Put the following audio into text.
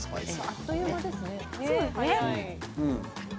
あっという間ですね。